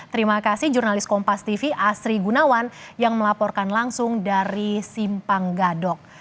terima kasih jurnalis kompas tv asri gunawan yang melaporkan langsung dari simpang gadok